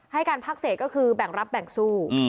ให้การพักเศษก็คือแบ่งรับแบ่งสู้